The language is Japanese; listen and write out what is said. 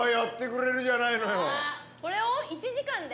これを１時間で？